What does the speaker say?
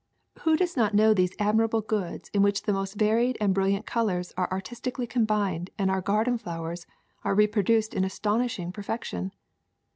Who does not know these admirable goods in which the most varied and brilliant colors are ar tistically combined and our garden flowers are re produced in astonishing perfection?